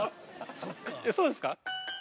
◆そうですか。